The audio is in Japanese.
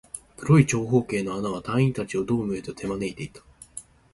黒い長方形の穴は、隊員達をドームへと手招いていた